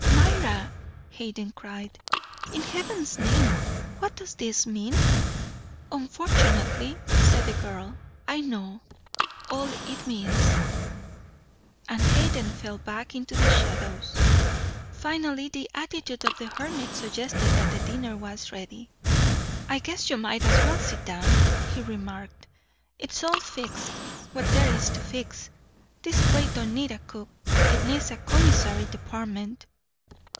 "Myra!" Hayden cried. "In heaven's name what does this mean?" "Unfortunately," said the girl, "I know all it means." And Hayden fell back into the shadows. Finally the attitude of the hermit suggested that the dinner was ready. "I guess you might as well sit down," he remarked. "It's all fixed, what there is to fix. This place don't need a cook, it needs a commissary department."